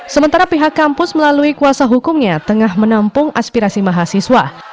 sementara pihak kampus melalui kuasa hukumnya tengah menampung aspirasi mahasiswa